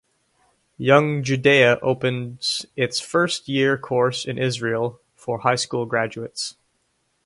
Young Judaea opens its first Year Course in Israel for high school graduates.